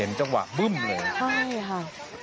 จังหวะบึ้มเลยใช่ค่ะ